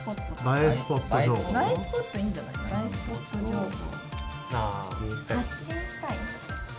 映えスポット情報。